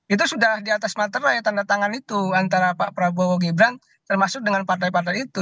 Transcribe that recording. itu sudah di atas materai tanda tangan itu antara pak prabowo gibran termasuk dengan partai partai itu